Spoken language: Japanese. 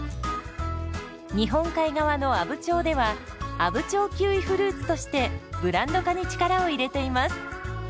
日本海側の阿武町では「阿武町キウイフルーツ」としてブランド化に力を入れています。